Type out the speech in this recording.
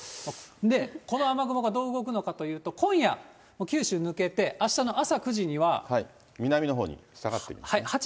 この雨雲がどう動くのかというと、今夜、九州抜けて、あした南のほうに下がっていくんですね。